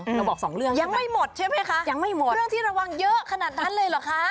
เราบอกสองเรื่องใช่ไหมยังไม่หมดใช่ไหมคะเรื่องที่ระวังเยอะขนาดนั้นเลยหรือคะ